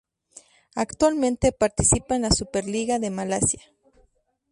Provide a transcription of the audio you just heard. Actualmente participa en la Super Liga de Malasia.